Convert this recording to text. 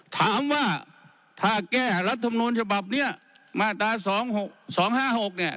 ถามว่าถ้าแก้รัฐธรรมนุนฉบับเนี้ยมาตราสองหกสองห้าหกเนี้ย